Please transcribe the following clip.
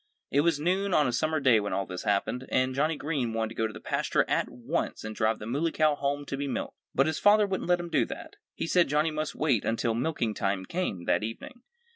It was noon on a summer day when all this happened. And Johnnie Green wanted to go to the pasture at once and drive the Muley Cow home to be milked. But his father wouldn't let him do that. He said Johnnie must wait until milking time came, that evening.